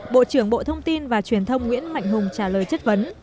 bộ trưởng bộ thông tin và truyền thông nguyễn mạnh hùng trả lời chất vấn